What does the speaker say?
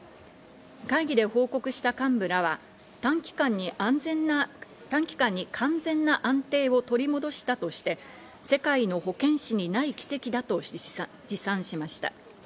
会議で報告した幹部らは短期間に完全な安定を取り戻したとして、世界の保健史にない奇跡だと自賛しました。